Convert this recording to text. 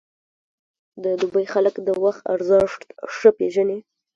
د دوبی خلک د وخت ارزښت ښه پېژني.